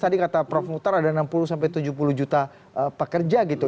tadi kata prof muhtar ada enam puluh tujuh puluh juta pekerja gitu